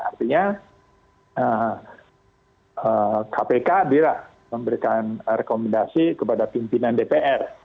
artinya kpk bila memberikan rekomendasi kepada pimpinan dpr